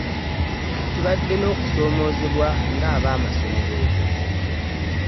Tubadde n'okusoomoozebwa nga ab'amasomero